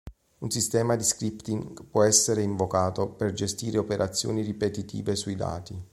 Un sistema di scripting può essere invocato per gestire operazioni ripetitive sui dati.